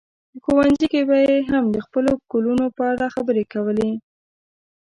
په ښوونځي کې به یې هم د خپلو ګلونو په اړه خبرې کولې.